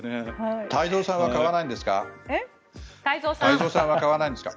太蔵さんは買わないんですか？